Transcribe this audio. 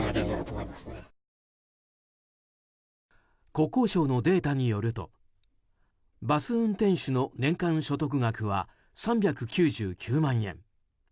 国交省のデータによるとバス運転手の年間所得額は３９９万円。